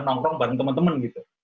kita nongkrong bareng temen temen gitu